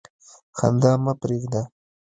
خندا مه پرېږده.